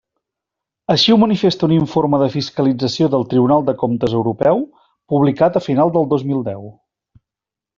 Així ho manifesta un informe de fiscalització del Tribunal de Comptes Europeu publicat a final del dos mil deu.